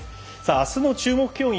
あすの注目競技